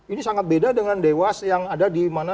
ini sangat beda dengan dewas yang ada di mana